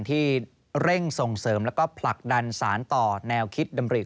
ที่เร่งส่งเสริมแล้วก็ผลักดันสารต่อแนวคิดดำริ